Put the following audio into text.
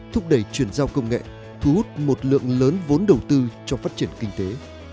thúc đẩy chuyển giao công nghệ thu hút một lượng lớn vốn đầu tư cho phát triển kinh tế